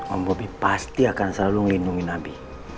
om bobi pasti akan selalu ngelindungi abi